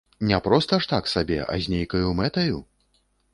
Не проста ж так сабе, а з нейкаю мэтаю?